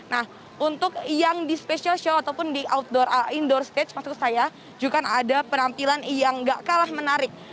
nah untuk yang di special show ataupun di indoor stage maksud saya juga ada penampilan yang gak kalah menarik